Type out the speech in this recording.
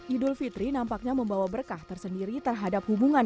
idul fitri nampaknya membawa berkah tersendiri terhadap hubungan